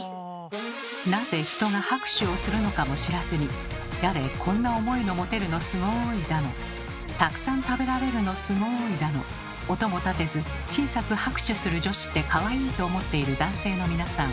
なぜ人が拍手をするのかも知らずにやれ「こんな重いの持てるのすごい」だの「たくさん食べられるのすごい」だの音も立てず小さく拍手する女子ってかわいいと思っている男性の皆さん。